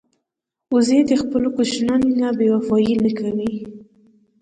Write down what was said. وزې له خپلو کوچنیانو نه بېوفايي نه کوي